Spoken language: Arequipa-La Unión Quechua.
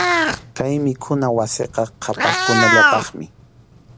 Kay mikhuna wasiqa qhapaqkunallapaqmi.